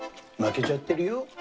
負けちゃってるよ